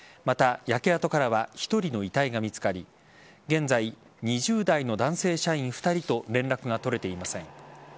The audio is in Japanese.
また、焼け跡からは１人の遺体が見つかり現在、２０代の男性社員２人と連絡が取れていません。